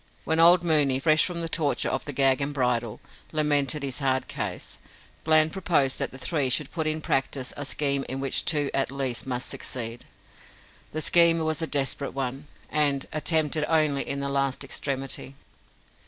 When old Mooney, fresh from the torture of the gag and bridle, lamented his hard case, Bland proposed that the three should put in practice a scheme in which two at least must succeed. The scheme was a desperate one, and attempted only in the last extremity.